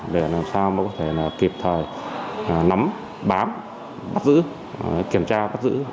để làm sao có thể kịp thời nắm bám bắt giữ kiểm tra bắt giữ